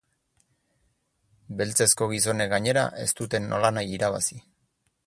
Beltzezko gizonek, gainera, ez dute nolanahi irabazi.